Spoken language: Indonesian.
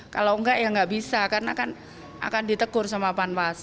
kalau enggak ya nggak bisa karena kan akan ditegur sama panwas